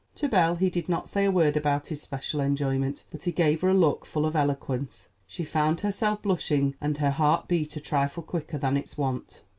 To Belle he did not say a word about his special enjoyment; but he gave her a look full of eloquence. She found herself blushing, and her heart beat a trifle quicker than its wont.